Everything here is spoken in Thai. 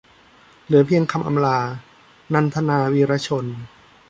เหลือเพียงคำอำลา - นันทนา วีระชน